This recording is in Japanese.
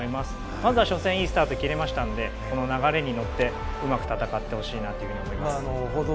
まずは初戦いいスタートが切れましたのでこの流れに乗ってうまく戦ってほしいなと思います。